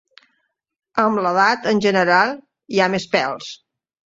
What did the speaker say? Amb l'edat, en general, hi ha més pèls.